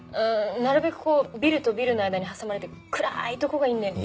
なるべくこうビルとビルの間に挟まれて暗いとこがいいんだよね。